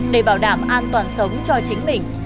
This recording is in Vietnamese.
để bảo đảm an toàn sống cho chính mình